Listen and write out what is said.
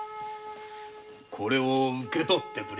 これを受け取ってくれ。